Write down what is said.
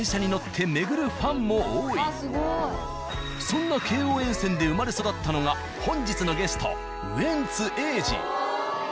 そんな京王沿線で生まれ育ったのが本日のゲストウエンツ瑛士。